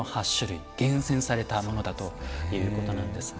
厳選されたものだということなんですね。